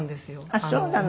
あっそうなの。